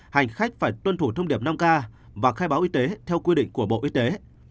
hành khách phải tuân thủ thông điệp năm k và khai báo y tế theo quy định của bộ y tế